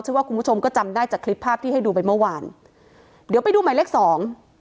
ว่าคุณผู้ชมก็จำได้จากคลิปภาพที่ให้ดูไปเมื่อวานเดี๋ยวไปดูหมายเลขสอง